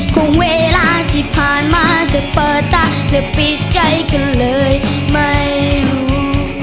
คงเวลาที่ผ่านมาจะเปิดตาและปิดใจกันเลยไม่รู้